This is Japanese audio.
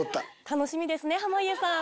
楽しみですね濱家さん。